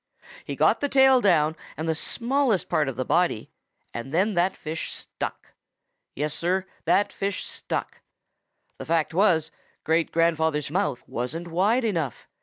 He got the tail down and the smallest part of the body, and then that fish stuck. Yes, Sir, that fish stuck. The fact was, Great grandfather Frog's mouth wasn't wide enough.